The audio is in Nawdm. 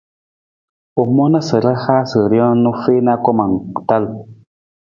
U moona sa ra haasa rijang u fiin anggoma tal.